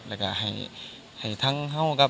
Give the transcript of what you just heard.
และก็ให้ทั้งเฮ่าครับ